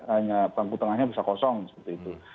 hanya bangku tengahnya bisa kosong seperti itu